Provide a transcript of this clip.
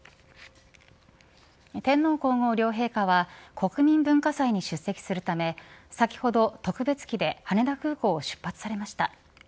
天皇皇后両陛下は国民文化祭に出席するため先ほど、特別機で羽田空港を出発されました。